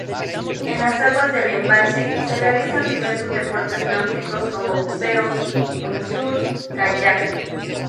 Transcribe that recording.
En las aguas del embalse se realizan diversos deportes náuticos, como Buceo, Windsurf, Kayak.